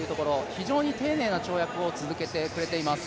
非常に丁寧な跳躍を続けてくれています。